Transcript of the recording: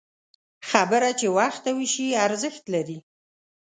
خبره چې وخته وشي، ارزښت لري